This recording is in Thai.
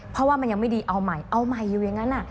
เพราะว่ามันยังไม่ดีเอาใหม่เอาใหม่อยู่อย่างนั้น